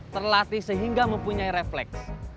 terlatih sehingga mempunyai refleks